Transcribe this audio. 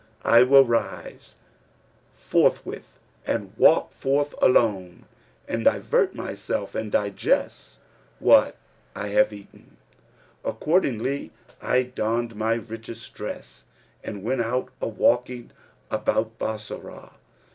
I will rise forthwith and walk forth alone and divert myself and digest what I have eaten.' Accordingly I donned my richest dress and went out a walking about Bassorah.